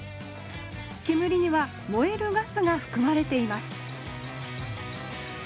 煙には燃えるガスがふくまれています